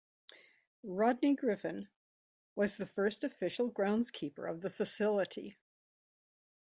Rodney Griffin was the first official groundskeeper of the facility.